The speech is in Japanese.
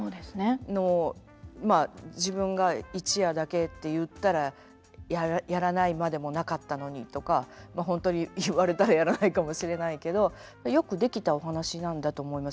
まあ自分が一夜だけって言ったらやらないまでもなかったのにとか本当に言われたらやらないかもしれないけどよく出来たお話なんだと思います